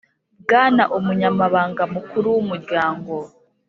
bwana umunyamabanga mukuru w’umuryango